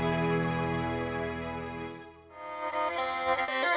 kemudian memakan tenaga yang tidak bisa deep